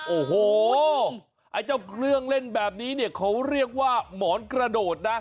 โอ้โหไอ้เจ้าเครื่องเล่นแบบนี้เนี่ยเขาเรียกว่าหมอนกระโดดนะ